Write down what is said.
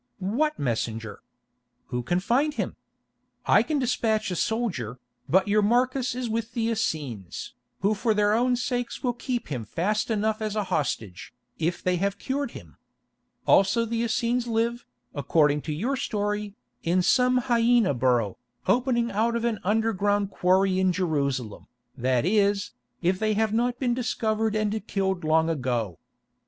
What messenger? Who can find him? I can despatch a soldier, but your Marcus is with the Essenes, who for their own sakes will keep him fast enough as a hostage, if they have cured him. Also the Essenes live, according to your story, in some hyæna burrow, opening out of an underground quarry in Jerusalem, that is, if they have not been discovered and killed long ago.